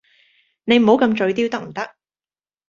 你唔好咁嘴刁得唔得？